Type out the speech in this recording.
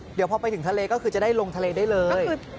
เดี๋ยวพอไปถึงทะเลก็คือจะได้ลงทะเลได้เลย